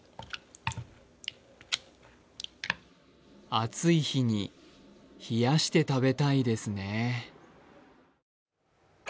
暑い日に冷やして食べたいですね。